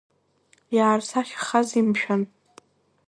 Иаарсахьахазеи, мшәан?!